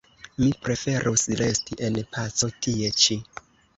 Mi preferus resti en paco tie ĉi.